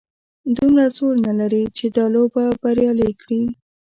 دومره زور نه لري چې دا لوبه بریالۍ کړي.